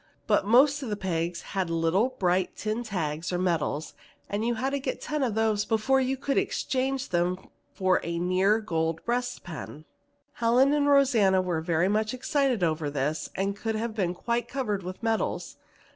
But most of the pegs had little bright tin tags or medals and you had to get ten of those before you could exchange them for a near gold breast pin. Helen and Rosanna were very much excited over this, and could have been quite covered with medals.